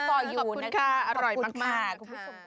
ขอบคุณค่ะอร่อยมาก